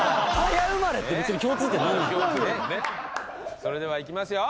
それではいきますよ。